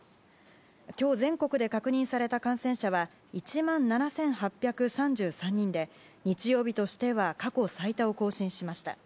今日、全国で確認された感染者は１万７８３３人で日曜日としては過去最多を更新しました。